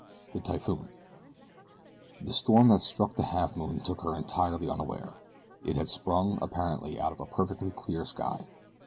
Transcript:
THE TYPHOON THE storm that struck the Halfmoon took her entirely unaware. It had sprung, apparently, out of a perfectly clear sky.